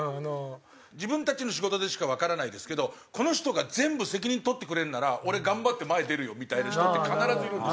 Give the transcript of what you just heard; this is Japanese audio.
自分たちの仕事でしかわからないですけどこの人が全部責任取ってくれるなら俺頑張って前出るよみたいな人って必ずいるんです。